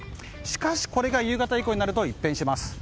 しかし、これが夕方以降になると一変します。